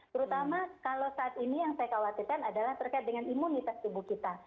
terutama kalau saat ini yang saya khawatirkan adalah terkait dengan imunitas tubuh kita